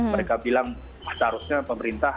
mereka bilang seharusnya pemerintah